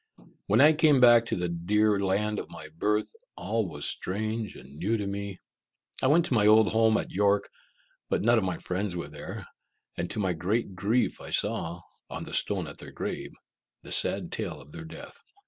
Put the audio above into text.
When I came back to the dear land of my birth, all was strange and new to me. I went to my old home at York, but none of my friends were there, and to my great grief I saw, on the stone at their grave, the sad tale of their death.